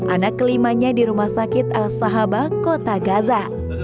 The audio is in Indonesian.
anak kelimanya di rumah sakit al sahaba kota gaza